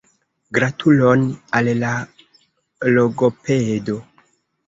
Gratulon al la logopedo!